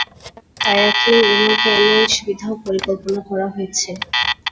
নৌকা, কায়াকিং এবং ক্যানোয়িং সুবিধাও পরিকল্পনা করা হয়েছে।